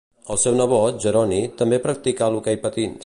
El seu nebot, Jeroni, també practicà l'hoquei patins.